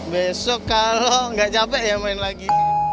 besok kalau nggak capek ya main lagi